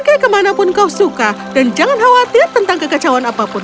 kakek kemanapun kau suka dan jangan khawatir tentang kekecauan apapun